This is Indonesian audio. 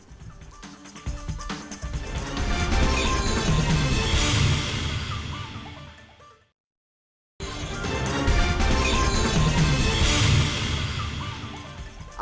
mas agus terima kasih